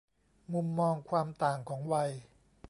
มุมมองความต่างของวัย